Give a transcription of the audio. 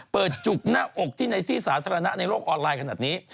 จุกหน้าอกที่ในที่สาธารณะในโลกออนไลน์ขนาดนี้